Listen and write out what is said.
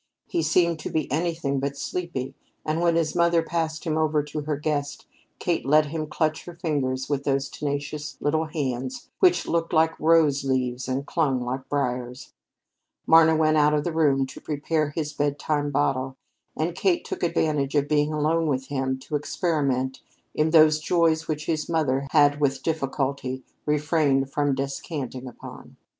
He seemed to be anything but sleepy, and when his mother passed him over to her guest, Kate let him clutch her fingers with those tenacious little hands which looked like rose leaves and clung like briers. Marna went out of the room to prepare his bedtime bottle, and Kate took advantage of being alone with him to experiment in those joys which his mother had with difficulty refrained from descanting upon.